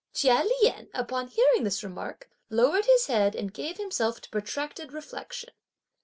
Chia Lien upon hearing this remark, lowered his head and gave himself to protracted reflection.